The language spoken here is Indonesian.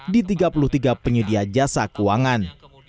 di tiga puluh tiga penyedia jasa keuangan